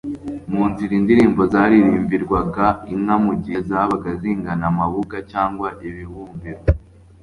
Mu nzira : indirimbo zaririmbirwaga inka mu gihe zabaga zigana amabuga cyangwa ibibumbiro.